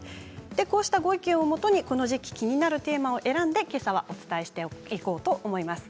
こうしたことばをもとにこの時期気になるテーマを選んでけさはお伝えしていこうと思います。